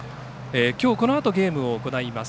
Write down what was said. きょう、このあとゲームを行います